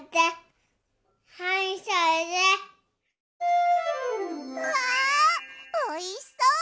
うわおいしそう！